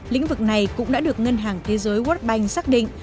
lĩnh vực này cũng đã được ngân hàng thế giới world bank xác định